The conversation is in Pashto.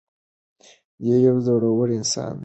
دی یو زړور انسان دی.